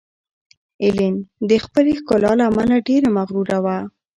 ایلین د خپلې ښکلا له امله ډېره مغروره وه.